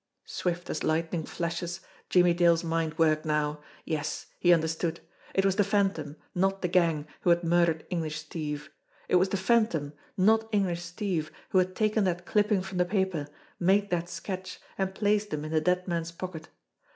Swift as lightning flashes Jimmie Dale's mind worked now. Yes, he understood. It was the Phantom, not the gang, who had murdered English Steve. It was the Phantom, not Eng lish Steve, who had taken that clipping from the paper, made that sketch, and placed them in the dead man's pocket.